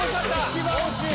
一番惜しい！